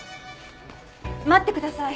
待ってください。